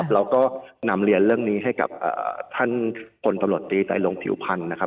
เราก็นำเรียนเรื่องนี้ให้กับท่านคนตำรวจตีใต้โรงผิวพันธุ์